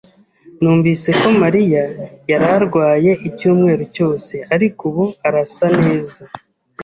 Numvise ko Mariya yari arwaye icyumweru cyose, ariko ubu arasa neza.